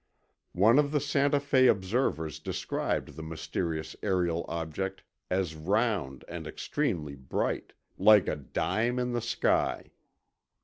One of the Santa Fe observers described the mysterious aerial object as round and extremely bright, "like a dime in the sky."